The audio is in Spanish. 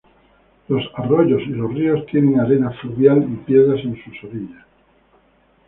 Los arroyos y los ríos tienen arena fluvial y piedras en sus orillas.